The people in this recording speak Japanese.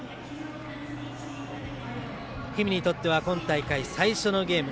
氷見にとっては今大会、最初のゲーム。